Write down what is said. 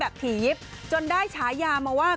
แบบพีฟจนได้ฉายามาว่า